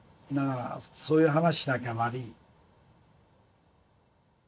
そういう話しなきゃ悪い。